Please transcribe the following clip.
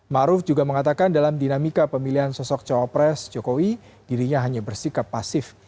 ma'ruf juga mengatakan dalam dinamika pemilihan sosok cowok pres jokowi dirinya hanya bersikap pasif